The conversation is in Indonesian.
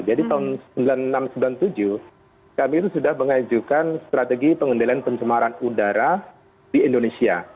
jadi tahun seribu sembilan ratus sembilan puluh enam seribu sembilan ratus sembilan puluh tujuh kami itu sudah mengajukan strategi pengendalian penjemaran udara di indonesia